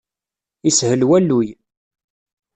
Ishel walluy.